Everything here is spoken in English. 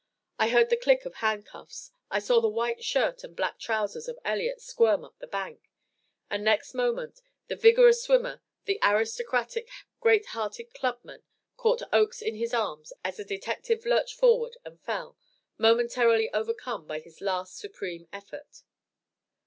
I heard the click of handcuffs; I saw the white shirt and black trousers of Elliott squirm up the bank, and next moment the vigorous swimmer, the aristocratic, great hearted club man, caught Oakes in his arms as the detective lurched forward and fell, momentarily overcome by his last supreme effort.